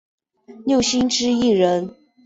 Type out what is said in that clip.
六星之一人。